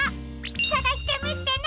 さがしてみてね！